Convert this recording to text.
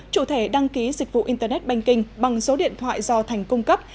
chủ thể đăng ký dịch vụ internet banking bằng số điện thoại do thành cung cấp